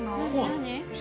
何？